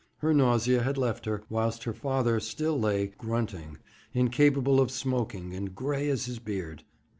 Her nausea had left her, whilst her father still lay grunting, incapable of smoking, and gray as his beard.